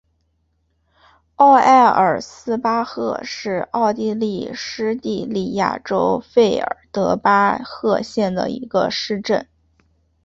奥埃尔斯巴赫是奥地利施蒂利亚州费尔德巴赫县的一个市镇。